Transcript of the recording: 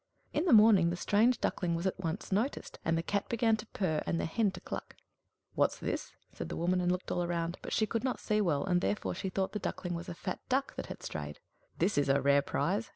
In the morning the strange Duckling was at once noticed, and the Cat began to purr and the Hen to cluck. "What's this?" said the woman, and looked all round; but she could not see well, and therefore she thought the Duckling was a fat duck that had strayed. "This is a rare prize!"